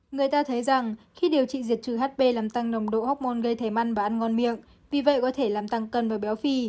người ta thấy rằng khi điều trị diệt trừ hp làm tăng nồng độ hốc môn gây thẻ măn và ăn ngon miệng vì vậy có thể làm tăng cân và béo phì